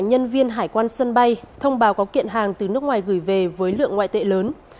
nạn nhân đã gọi điện thoại hải quản sân bay thông báo có kiện hàng từ nước ngoài gửi về với lượng ngoại tệ lớn